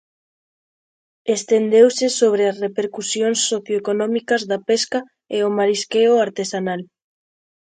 Estendeuse sobre as repercusións socioeconómicas da pesca e o marisqueo artesanal.